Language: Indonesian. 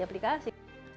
atau di aplikasi